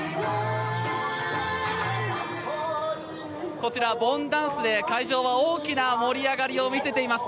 こちら、盆ダンスで会場は大きな盛り上がりを見せています。